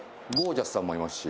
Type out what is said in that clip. ジャスさんもいますし。